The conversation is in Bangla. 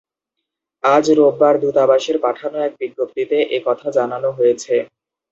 আজ রোববার দূতাবাসের পাঠানো এক বিজ্ঞপ্তিতে এ কথা জানানো হয়েছে।